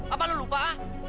apa lu lupa ah